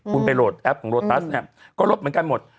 คุณไปโหลดแอปของโลตัสเนี่ยก็ลดเหมือนกันหมด